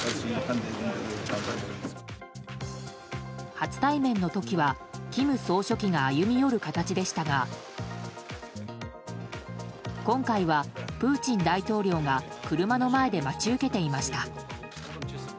初対面の時は金総書記が歩み寄る形でしたが今回は、プーチン大統領が車の前で待ち受けていました。